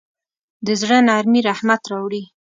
د زړه نرمي رحمت راوړي.